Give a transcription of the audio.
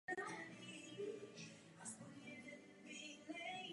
V té době také opustil nemocnici Johnse Hopkinse.